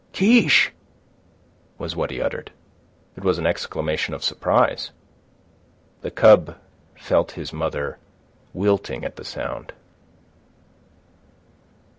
"Kiche!" was what he uttered. It was an exclamation of surprise. The cub felt his mother wilting at the sound.